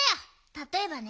たとえばね。